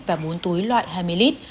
và bốn túi loại hai mươi lít